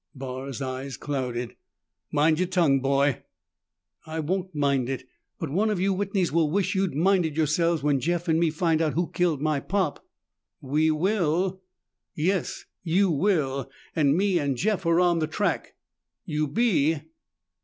Barr's eyes clouded. "Mind your tongue, boy." "I won't mind it! But one of you Whitneys will wish you'd minded yourselves when Jeff and me find out who killed my pop!" "We will?" "Yes, you will! And me and Jeff are on the track." "You be?"